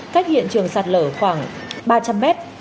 cách hiện trường sạt lở khoảng ba trăm linh mét